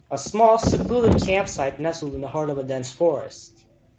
A small, secluded campsite nestled in the heart of a dense forest.